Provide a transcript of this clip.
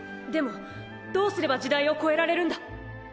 でもどうすれば時代を越えられるんだ！？